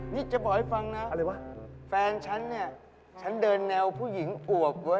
นี่จะบอกให้ฟังนะอะไรวะแฟนฉันเนี่ยฉันเดินแนวผู้หญิงอวบเว้